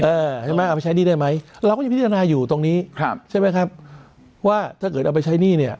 ใช่ไหมเอาไปใช้หนี้ได้ไหมเราก็ยังพิจารณาอยู่ตรงนี้ครับใช่ไหมครับว่าถ้าเกิดเอาไปใช้หนี้เนี่ย